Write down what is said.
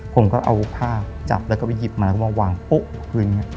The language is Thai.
ผมก็เอาภาพจับแล้วก็ไปหยิบมาแล้วก็มาวางปุ๊บพื้น